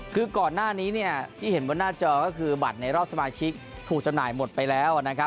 คือก่อนหน้านี้ที่เห็นบนหน้าจอก็คือบัตรในรอบสมาชิกถูกจำหน่ายหมดไปแล้ว